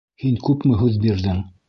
Һин күпме һүҙ бирҙең.